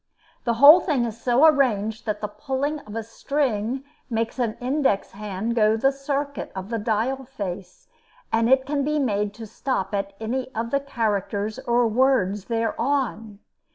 The whole thing is so arranged that the pulling of a string makes an index hand go the circuit of the dial face, and it can be made to stop at any of the characters or words thereon.